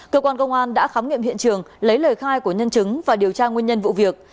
cơ quan công an đã khám nghiệm hiện trường lấy lời khai của nhân chứng và điều tra nguyên nhân vụ việc